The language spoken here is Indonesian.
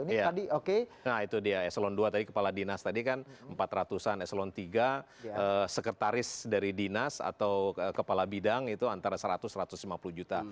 nah itu dia eselon dua tadi kepala dinas tadi kan empat ratus an eselon tiga sekretaris dari dinas atau kepala bidang itu antara seratus satu ratus lima puluh juta